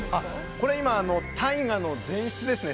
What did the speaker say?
これ今「大河」の前室ですね